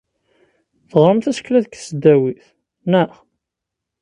Teɣram tasekla deg tesdawit, naɣ?